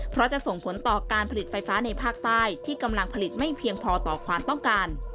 เพราะจะส่งผลต่อการผลิตไฟฟ้าในภาคใต้ที่กำลังผลิตไม่เพียงพอต่อความต้องการ